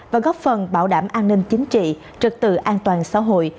và góp phần bảo đảm an ninh chính trị trực tự an toàn xã hội